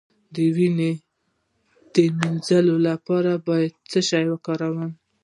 د وینې د مینځلو لپاره باید څه شی وکاروم؟